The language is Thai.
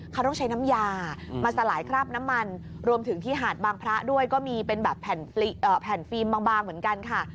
เขาต้องใช้น้ำยามาสลายคราบน้ำมันรวมถึงที่หาดบางพระด้วยก็มีเป็นแบบแผ่นฟิล์มบางเหมือนกันค่ะ